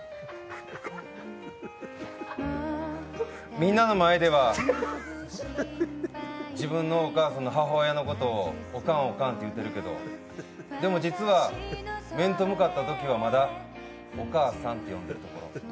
みんなの前では自分の母親のことをおかん、おかんって言ってるけど、でも実は、面と向かったときはまだお母さんって呼んでるところ。